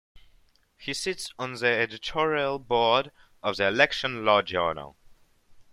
He sits on the editorial board of the "Election Law Journal".